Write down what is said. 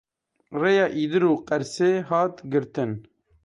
Rêya Îdir û Qersê hat girtin.